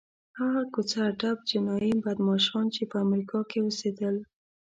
هغه کوڅه ډب جنایي بدماشان چې په امریکا کې اوسېدل.